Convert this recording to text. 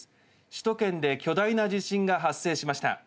首都圏で巨大な地震が発生しました。